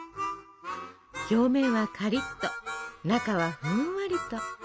表面はカリッと中はふんわりと。